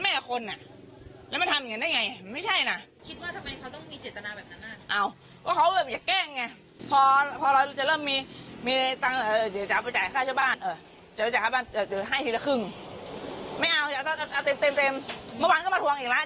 เมื่อวันนี้มาถวงอีกแล้ว